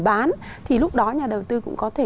bán thì lúc đó nhà đầu tư cũng có thể